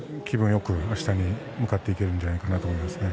よくあしたに向かっていけるんじゃないかなと思いますね。